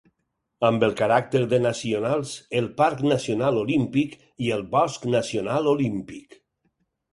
Amb el caràcter de nacionals, el Parc Nacional Olímpic i el Bosc Nacional Olímpic.